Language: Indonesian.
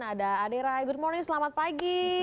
ada ade rai good morning selamat pagi